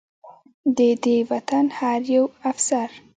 د دې وطن هر يو افسر